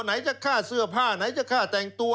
ไหนจะฆ่าเสื้อผ้าไหนจะฆ่าแต่งตัว